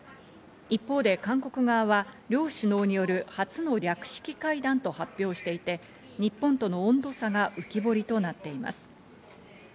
一方で韓国側は両首脳による初の略式会談と発表していて、日本との温度差が浮き彫りとなっています。